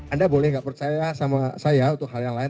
anda boleh nggak percaya sama saya untuk hal yang lain